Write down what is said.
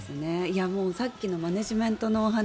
さっきのマネジメントのお話